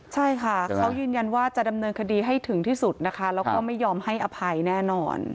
ใช่ค่ะเขายืนยันว่าจะดำเนินคดีให้ถึงที่สุดนะคะแล้วก็ไม่ยอมให้อภัยแน่นอน